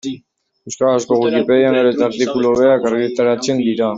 Euskarazko Wikipedian gero eta artikulu hobeak argitaratzen dira.